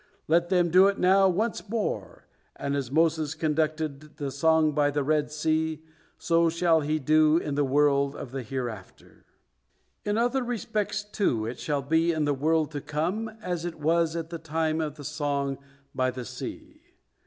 Let them do it now once more, and as Moses conducted the song by the Red Sea, so shall he do in the world of the hereafter." In other respects, too, it shall be in the world to come as it was at the time of the song by the sea.